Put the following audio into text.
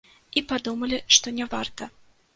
І падумалі, што не варта.